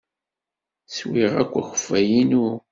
Swiɣ akk akeffay-inu.